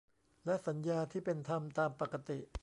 และสัญญาที่เป็นธรรมตามปกติ